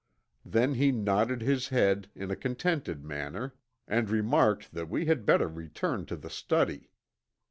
Then he nodded his head in a contented manner and remarked that we had better return to the study.